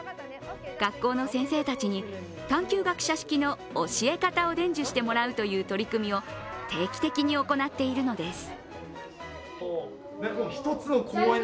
学校の先生たちに探求学舎式の教え方を伝授してもらうという取り組みを定期的に行っているのです。